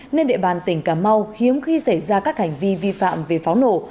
nên địa bàn tỉnh cà mau hiếm khi xảy ra các hành vi vi phạm về pháo nổ